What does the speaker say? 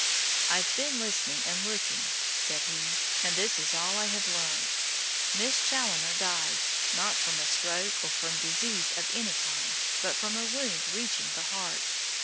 "I've been listening and looking," said he, "and this is all I have learned. Miss Challoner died, not from a stroke or from disease of any kind, but from a wound reaching the heart.